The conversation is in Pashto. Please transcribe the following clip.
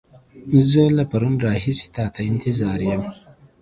زه له پرون راهيسې تا ته انتظار يم.